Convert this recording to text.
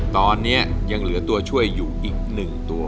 ตอนนี้ยังเหลือตัวช่วยอยู่อีก๑ตัว